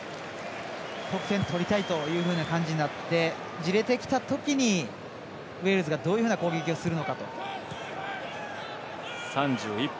得点取りたいという感じになってじれてきたときにウェールズがどういうふうな残り１５分余り。